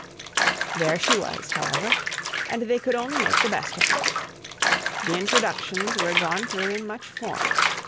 There she was, however, and they could only make the best of her. The introductions were gone through in much form.